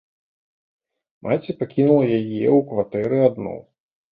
Маці пакінула яе ў кватэры адну.